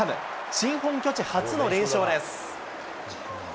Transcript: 新本拠地初の連勝です。